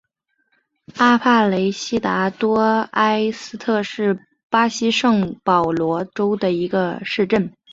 阿帕雷西达多埃斯特是巴西圣保罗州的一个市镇。